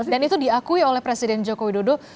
dan itu diakui oleh presiden joko widodo